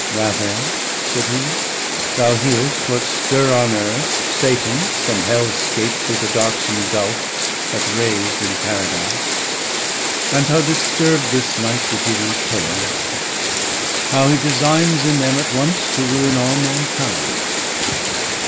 Raphael, said hee, thou hear'st what stir on Earth Satan from Hell scap't through the darksom Gulf Hath raisd in Paradise, and how disturbd This night the human pair, how he designes In them at once to ruin all mankind.